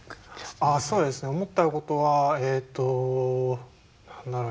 そうですね思ったことはえっと何だろう